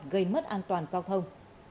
gây mất an toàn giao thông